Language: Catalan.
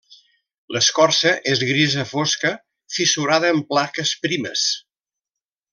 L'escorça és grisa fosca, fissurada en plaques primes.